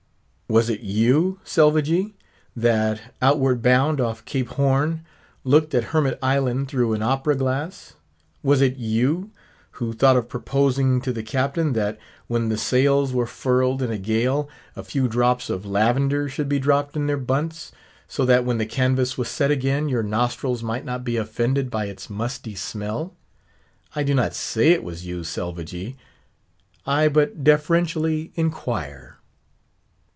Was it you, Selvagee! that, outward bound, off Cape Horn, looked at Hermit Island through an opera glass? Was it you, who thought of proposing to the Captain that, when the sails were furled in a gale, a few drops of lavender should be dropped in their "bunts," so that when the canvas was set again, your nostrils might not be offended by its musty smell? I do not say it was you, Selvagee; I but deferentially inquire.